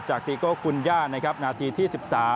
จากติโกคุญญานะครับนาทีที่๑๓